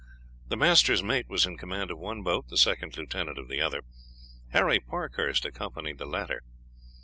The master's mate was in command of one boat, the second lieutenant of the other; Harry Parkhurst accompanied the latter.